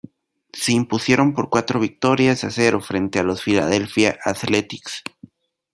Se impusieron por cuatro victorias a cero frente a los Philadelphia Athletics.